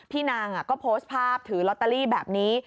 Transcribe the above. นางก็โพสต์ภาพถือลอตเตอรี่แบบนี้